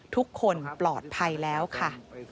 ทุกคนปลอดภัยแล้วค่ะ